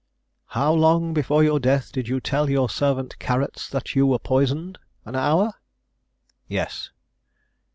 ] "How long before your death did you tell your servant, Carrots, that you were poisoned? An hour?" "Yes."